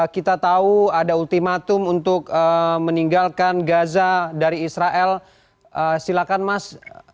kita tahu ada ultimatum untuk meninggalkan gaza dari israel silakan mas